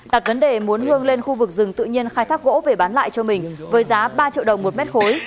đặt vấn đề muốn hương lên khu vực rừng tự nhiên khai thác gỗ về bán lại cho mình với giá ba triệu đồng một mét khối